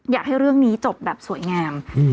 อยากให้เรื่องนี้จบแบบสวยงาม